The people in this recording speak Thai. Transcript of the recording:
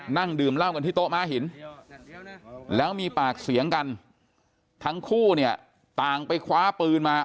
นั่งดื่มเหล้ากันที่โต๊ะม้าหินแล้วมีปากเสียงกันทั้งคู่เนี่ยต่างไปคว้าปืนมา